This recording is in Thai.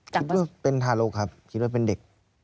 คิดว่าเป็นทารกครับคิดว่าเป็นเด็ก